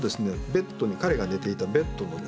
ベッドに彼が寝ていたベッドのですね